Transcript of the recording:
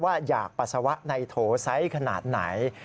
อยากปัสสาวะในโถไซส์ขนาดไหน